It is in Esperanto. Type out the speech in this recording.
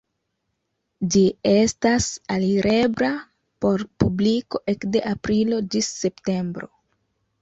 Ĝi estas alirebla por publiko ekde aprilo ĝis septembro.